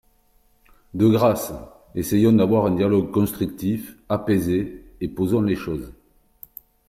De grâce, essayons d’avoir un dialogue constructif, apaisé, et posons les choses.